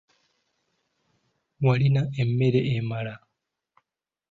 Walina emmere emala?